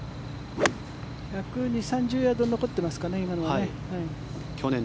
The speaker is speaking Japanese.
１２０１３０ヤード残っていますかね、今のはね。